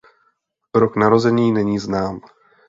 Rok narození není znám.